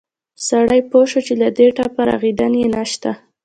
سړى پوى شو چې له دې ټپه رغېدن يې نه شته.